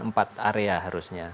empat area harusnya